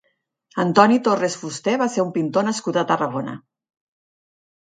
Antoni Torres Fuster va ser un pintor nascut a Tarragona.